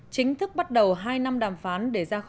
chính thức bắt đầu hai năm đàm phán